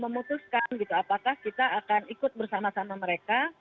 memutuskan gitu apakah kita akan ikut bersama sama mereka